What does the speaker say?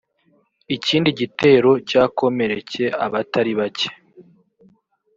ikindi gitero cyakomereke abatari bake